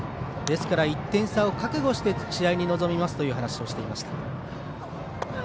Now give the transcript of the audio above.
ですから１点差を覚悟して試合に臨みますと話をしていました。